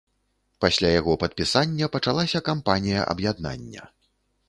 Пасля яго падпісання пачалася кампанія аб'яднання.